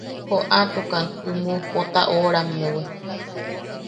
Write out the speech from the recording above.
Joʼatukan umu Pota oʼorammewi.